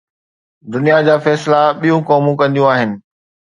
دنيا جا فيصلا ٻيون قومون ڪنديون آهن.